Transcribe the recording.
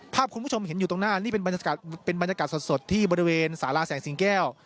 คุณผู้ชมเห็นอยู่ตรงหน้านี่เป็นบรรยากาศเป็นบรรยากาศสดที่บริเวณสาราแสงสิงแก้ว